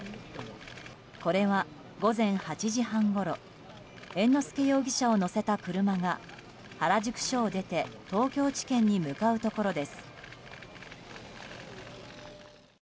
これは午前８時半ごろ猿之助容疑者を乗せた車が原宿署を出て東京地検に向かうところです。